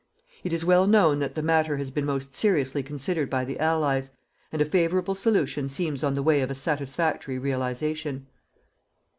It is well known that the matter has been most seriously considered by the Allies, and a favourable solution seems on the way of a satisfactory realization.